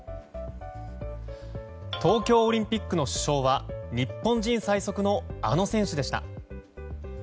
東京オリンピックの主将は日本人最速のあの選手でした。